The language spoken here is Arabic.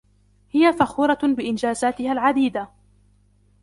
هي فخورة بإنجازاتها العديدة.